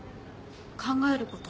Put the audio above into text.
考えること？